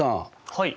はい。